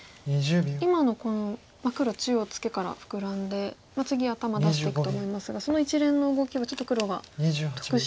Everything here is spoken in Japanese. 今のこの黒中央ツケからフクラんで次頭出していくと思いますがその一連の動きはちょっと黒が得したと。